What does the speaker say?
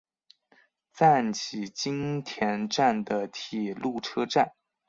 赞岐津田站的铁路车站。